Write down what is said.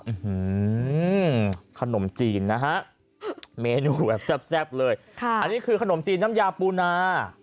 ขนมจีนนะฮะเมนูแบบแซ่บเลยค่ะอันนี้คือขนมจีนน้ำยาปูนา